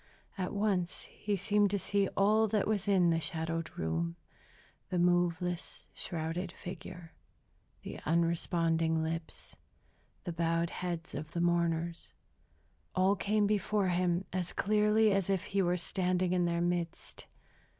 At once he seemed to see all that was in the shadowed room. The moveless, shrouded figure, the unresponding lips, the bowed heads of the mourners, all came before him as clearly as if he were standing in their midst.